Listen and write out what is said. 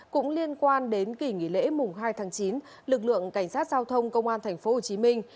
cũng liên quan đến kỳ nghỉ lễ mùng hai tháng chín lực lượng cảnh sát giao thông công an thành phố hồ chí minh